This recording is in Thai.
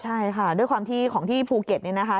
ใช่ค่ะด้วยความที่ของที่ภูเก็ตนี่นะคะ